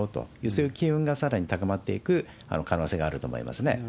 そういう機運がさらに高まっていく可能性があると思いますね。